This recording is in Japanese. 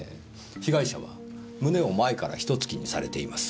被害者は胸を前から一突きにされています。